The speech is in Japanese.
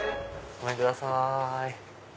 ごめんください。